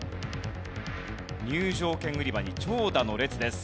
入場券売り場に長蛇の列です。